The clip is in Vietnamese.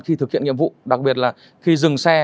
khi thực hiện nhiệm vụ đặc biệt là khi dừng xe